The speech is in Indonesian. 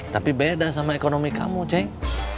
tapi beda sama ekonomi kamu cek